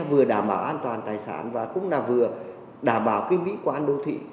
vừa đảm bảo an toàn tài sản và cũng là vừa đảm bảo cái mỹ quan đô thị